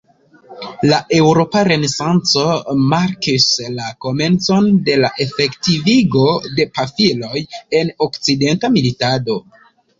La eŭropa Renesanco markis la komencon de la efektivigo de pafiloj en okcidenta militado.